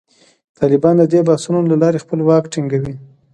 طالبان د دې بحثونو له لارې خپل واک ټینګوي.